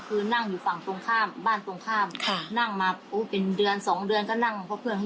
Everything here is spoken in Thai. คือนั่งอยู่ฝั่งตรงข้ามบ้านตรงข้ามนั่งมาเป็นเดือน๒เดือนก็นั่ง